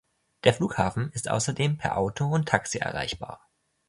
Der Flughafen ist außerdem per Auto und Taxi erreichbar.